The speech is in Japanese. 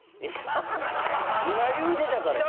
今今言うてたからや。